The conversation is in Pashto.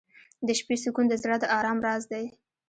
• د شپې سکون د زړه د ارام راز دی.